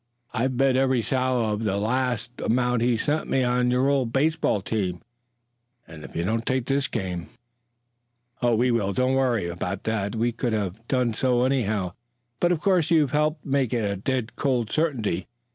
I've bet every sou of the last amount he sent me on your old baseball team, and if you don't take this game " "We will, don't worry about that. We could have done so anyhow, but of course you've helped make it a dead cold certainty.